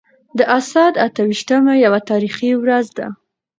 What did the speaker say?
د اسد اته ويشتمه يوه تاريخي ورځ ده.